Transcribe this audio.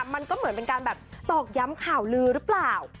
มันก็เหมือนเป็นการแบบตอกย้ำข่าวลือหรือเปล่า